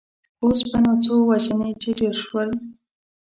اوس به څو وژنې چې ډېر شول.